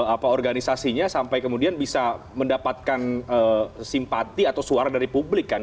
apa organisasinya sampai kemudian bisa mendapatkan simpati atau suara dari publik kan